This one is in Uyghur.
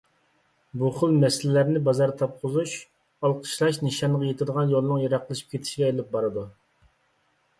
بۇخىل مەسىلىلەرنى بازار تاپقۇزۇش، ئالقىشلاش نىشانغا يېتىدىغان يولنىڭ يېراقلىشىپ كېتىشىگە ئېلىپ بارىدۇ.